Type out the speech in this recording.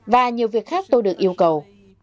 và nhiều việc khác tôi được yêu cầu